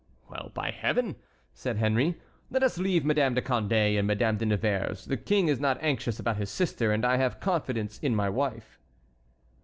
"Well, by Heaven," said Henry, "let us leave Madame de Condé and Madame de Nevers; the King is not anxious about his sister—and I have confidence in my wife."